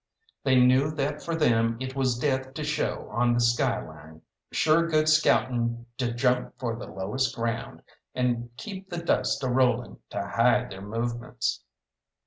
They knew that for them it was death to show on the skyline, sure good scouting to jump for the lowest ground, and keep the dust a rolling to hide their movements.